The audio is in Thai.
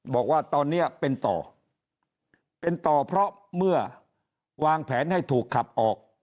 บอกว่าตอนนี้เป็นต่อเป็นต่อเพราะเมื่อวางแผนให้ถูกขับออก